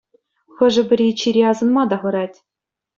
Хӑшӗ-пӗри чире асӑнма та хӑрать.